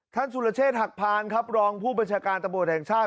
ท่านสุรเชษฐ์หักพานครับรองผู้บัญชาการตะบุดแห่งชาติ